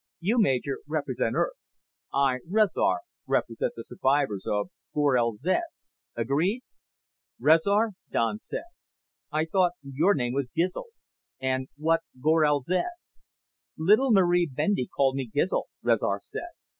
You, Major, represent Earth. I, Rezar, represent the survivors of Gorel zed. Agreed?" "Rezar?" Don said. "I thought your name was Gizl. And what's Gorel zed?" "Little Marie Bendy called me Gizl," Rezar said.